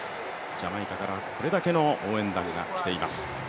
ジャマイカからこれだけの応援団が来ています。